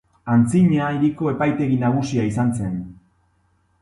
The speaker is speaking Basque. Antzina hiriko epaitegi nagusia izan zen.